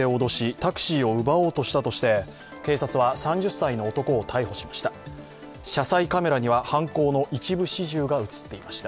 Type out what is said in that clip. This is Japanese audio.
タクシーを奪おうとしたとして警察は３０歳の男を逮捕しました。